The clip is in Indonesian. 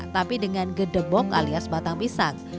tapi dengan gedebok alias batang pisang